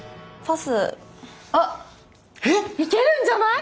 あいけるんじゃない？